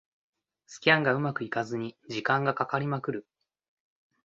スキャンがうまくいかずに時間がかかりまくる